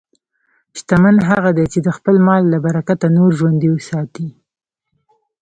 شتمن هغه دی چې د خپل مال له برکته نور ژوندي ساتي.